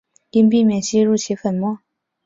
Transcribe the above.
应避免吸入其粉末。